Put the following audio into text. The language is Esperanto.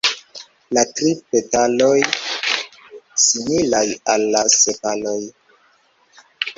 La tri petaloj similaj al la sepaloj.